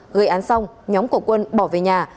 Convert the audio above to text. gây án xong nhóm của quân bỏ về nhà